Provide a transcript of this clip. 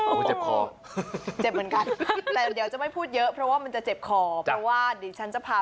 โอ้โหไฟไม่จ่ายใดไม่ชาร์จสตาร์ทพังจะพังจะหยุดสะดุดยังไง